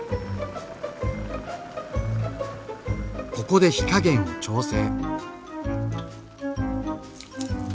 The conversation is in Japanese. ここで火加減を調整。